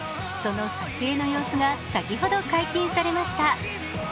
その撮影の様子が先ほど解禁されました。